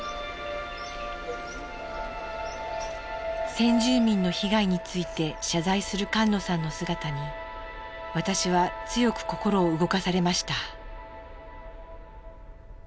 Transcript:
先住民の被害について謝罪する菅野さんの姿に私は強く心を動かされました。